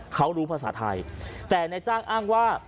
เขารู้ภาษาไทยแต่นายจ้างอ้างว่า